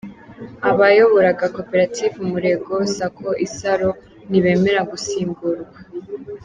Abayoboraga koperative Umurenge Sako Isaru ntibemera gusimburwa